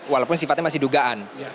walaupun sifatnya masih dugaan